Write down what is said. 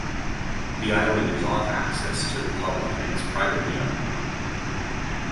The island is off access to the public and is privately owned.